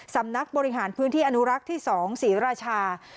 สำนักบริหารพื้นที่อนุรักษ์ที่๒ศรีราชา